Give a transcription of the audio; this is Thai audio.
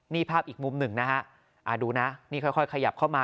นี่ภาพอีกมุมหนึ่งนะฮะดูนะนี่ค่อยขยับเข้ามา